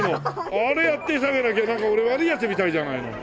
あれやってエサあげなきゃなんか俺悪いヤツみたいじゃないの。